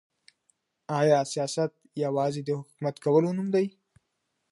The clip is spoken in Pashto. آیا سیاست یوازي د حکومت کولو نوم دی؟